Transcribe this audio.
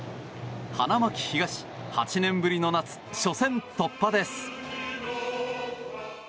花巻東、８年ぶりの夏初戦突破です。